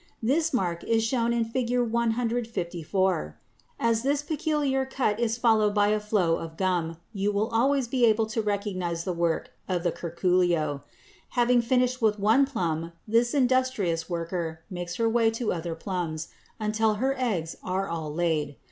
This mark is shown in Fig. 154. As this peculiar cut is followed by a flow of gum, you will always be able to recognize the work of the curculio. Having finished with one plum, this industrious worker makes her way to other plums until her eggs are all laid.